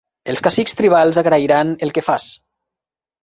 Els cacics tribals agrairan el que fas.